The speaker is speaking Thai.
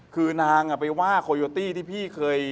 คือนางไปว่าโคโยตี้ที่พี่เคย